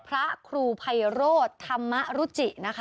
พระครูไพโรธธรรมรุจินะคะ